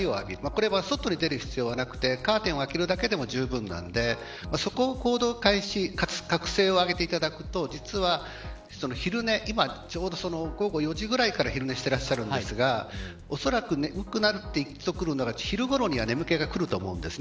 これは外に出る必要はなくてカーテンを開けるだけでもじゅうぶんなのでそこの行動開始覚醒を上げていただくと実は、昼寝、今ちょうど４時ごろから昼寝してらっしゃるんですがおそらく眠くなってくるのが昼ごろには眠気がくると思うんです。